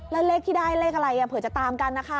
แล้วเลขที่ได้เลขอะไรเผื่อจะตามกันนะคะ